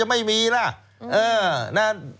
มีมีแคลอะ